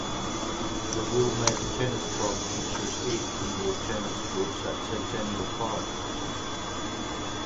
The Wilmette Tennis Club features eight indoor tennis courts at Centennial Park.